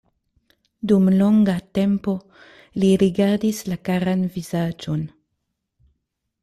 Dum longa tempo li rigardis la karan vizaĝon.